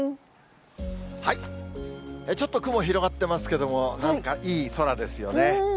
ちょっと雲、広がってますけども、なんかいい空ですよね。